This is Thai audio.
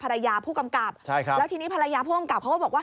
ภรรยาผู้กำกับใช่ครับแล้วทีนี้ภรรยาผู้กำกับเขาก็บอกว่า